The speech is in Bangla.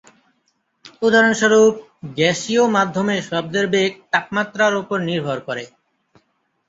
উদাহরণস্বরূপ, গ্যাসীয় মাধ্যমে শব্দের বেগ তাপমাত্রার উপর নির্ভর করে।